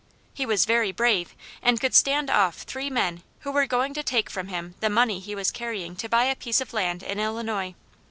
He was very brave and could stand off three men who were going to take from him the money he was carrying to buy a piece of land in Illinois.